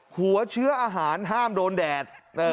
หัวเชื้ออาหารห้ามโดนแดด